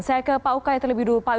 saya ke pak ukay terlebih dulu pak